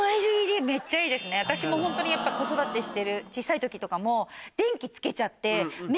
私もホントにやっぱ子育てしてる小っさい時とかも電気つけちゃって。